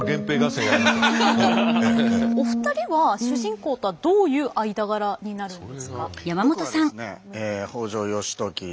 お二人は主人公とはどういう間柄になるんですか？